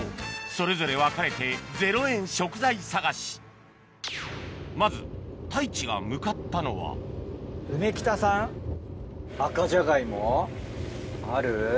それぞれ分かれて０円食材探しまず太一が向かったのはある？